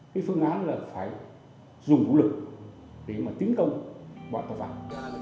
cái phương án là phải dùng vũ lực để mà tiến công bãi bãi vàng